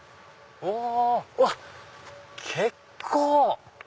うわっ結構！